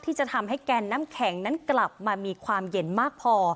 ที่จะทำให้แกนน้ำแข็งนั้นกลับมามีความเย็นมากพอ